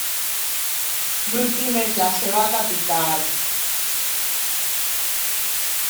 L'últim és la seva capital.